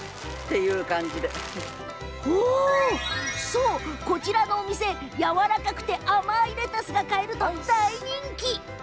そう、こちらやわらかくて、甘いレタスが買えると大人気。